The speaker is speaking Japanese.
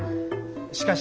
しかし